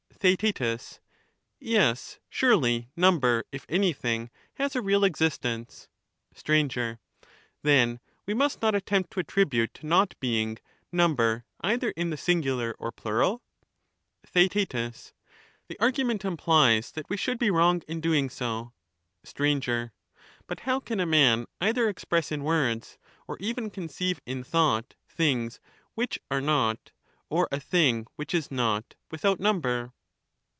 TheaeL Yes, surely number, if anything, has a real ex istence. Sir. Then we must not attempt to attribute to not being i number either in the singular or plural ? TheaeU The argument implies that we should be wrong in doing so. Str, But how can a man either express in words or even conceive in thought things which are not or a thing which is not without number